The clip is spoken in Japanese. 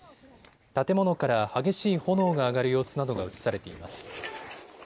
建物から激しい炎が上がる様子などが映されています。